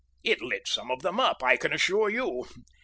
It lit some of them up, I can assure you!